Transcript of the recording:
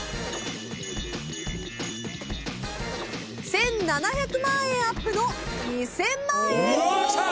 １，７００万円アップの２，０００万円。